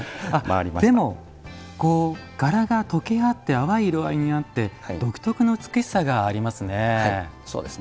でも、柄がとけ合って淡い色合いになって独特の美しさがありますね。